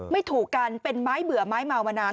ถูกกันเป็นไม้เบื่อไม้เมามานาน